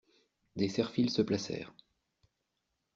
Des serre-files se placèrent.